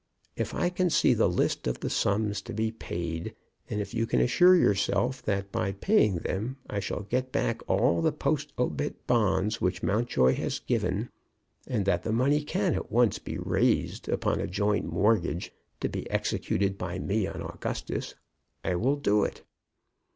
If I can see the list of the sums to be paid, and if you can assure yourself that by paying them I shall get back all the post obit bonds which Mountjoy has given, and that the money can be at once raised upon a joint mortgage, to be executed by me and Augustus, I will do it.